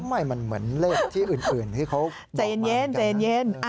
ไม่มันเหมือนเลขที่อื่นที่เขาบอกมากัน